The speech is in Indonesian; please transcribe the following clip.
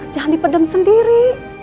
jangan dipedem sendiri